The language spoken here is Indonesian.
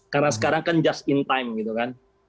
karena sekarang kan just in time gitu kan